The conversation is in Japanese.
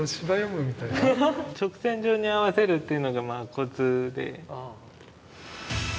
直線状に合わせるっていうのがコツで。